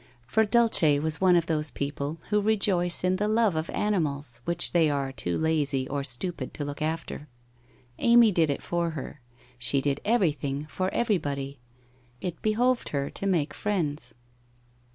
For Dulce was one of those people who rejoice in the love of animals which they are too lazy or stupid to look after. Amy did it for her. She did everything for everybody. It be hoved her to make friends.